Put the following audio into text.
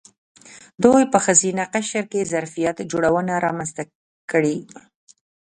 دوی په ښځینه قشر کې ظرفیت جوړونه رامنځته کړې.